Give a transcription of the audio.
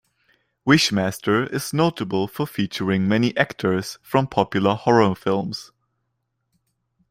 "Wishmaster" is notable for featuring many actors from popular horror films.